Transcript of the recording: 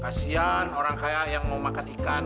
kasian orang kayak yang mau makan ikan